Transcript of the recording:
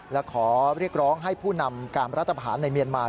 และขอเรียกร้องให้ผู้นำการรัฐพานในเมียนมา